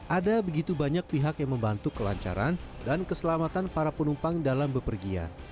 ada begitu banyak pihak yang membantu kelancaran dan keselamatan para penumpang dalam bepergian